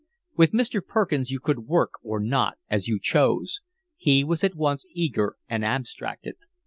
With Mr. Perkins you could work or not as you chose. He was at once eager and abstracted.